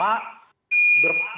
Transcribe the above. dan yang pertama